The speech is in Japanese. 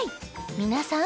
皆さん